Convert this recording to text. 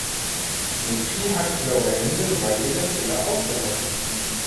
Sophie hat blaue Hände, weil ihr der Füller ausgelaufen ist.